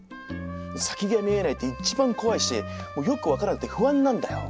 先が見えないって一番怖いしよく分からなくて不安になるんだよ。